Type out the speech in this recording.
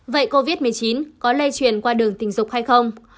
vậy covid một mươi chín có lây truyền qua đường tình dục hay không